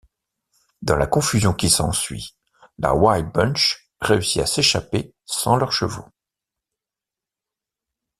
Dans la confusion qui s'ensuit, la Wild Bunch réussit à s'échapper sans leurs chevaux.